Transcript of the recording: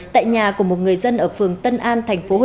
tại nhà của một người dân ở phường tân an